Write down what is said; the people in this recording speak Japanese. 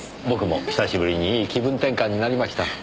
僕も久しぶりにいい気分転換になりました。